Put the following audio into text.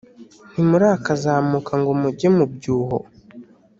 Ntimurakazamuka ngo mujye mu byuho